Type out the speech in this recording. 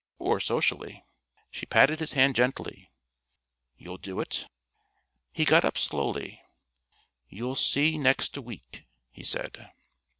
Or socially." She patted his hand gently. "You'll do it?" He got up slowly. "You'll see next week," he said.